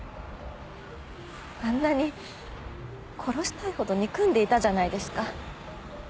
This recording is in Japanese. あんなに殺したいほど憎んでいたじゃないですか。